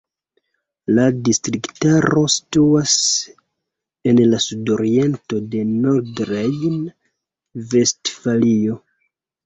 La distriktaro situas en la sudoriento de Nordrejn-Vestfalio.